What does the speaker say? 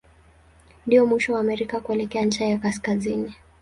Ndio mwisho wa Amerika kuelekea ncha ya kaskazini.